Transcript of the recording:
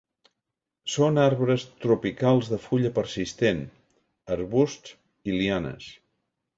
Són arbres tropicals de fulla persistent, arbusts i lianes.